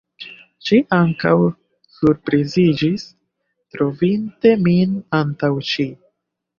Ŝi ankaŭ surpriziĝis, trovinte min antaŭ ŝi.